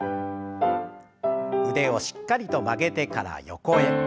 腕をしっかりと曲げてから横へ。